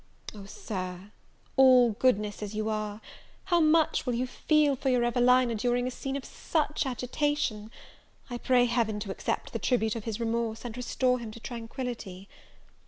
Oh, Sir, all goodness as you are, how much will you feel for your Evelina, during a scene of such agitation! I pray Heaven to accept the tribute of his remorse, and restore him to tranquillity!